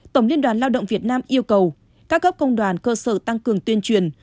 tổng liên đoàn lao động việt nam yêu cầu các cấp công đoàn cơ sở tăng cường tuyên truyền